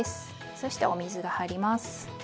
そしてお水が入ります。